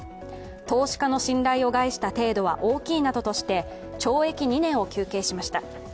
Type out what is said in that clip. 投資家の信頼を害した程度は大きいなどとして懲役２年を求刑しました。